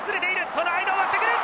その間を割ってくる！